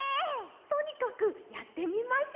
とにかくやってみましょう！